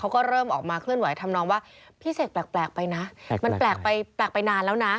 เขาก็เริ่มออกมาเคลื่อนไหวทำนองว่าพี่เสกแปลกไปนะมันแปลกไปแปลกไปนานแล้วนะ